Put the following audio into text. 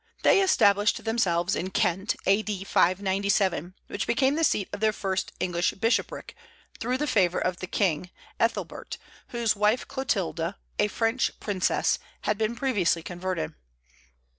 They established themselves in Kent A.D. 597, which became the seat of the first English bishopric, through the favor of the king, Aethelbert, whose wife Clotilda, a French princess, had been previously converted.